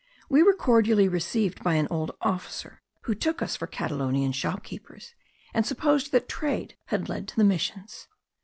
We were cordially received by an old officer, who took us for Catalonian shopkeepers, and who supposed that trade had led to the missions.